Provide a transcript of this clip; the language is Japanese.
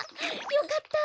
よかった！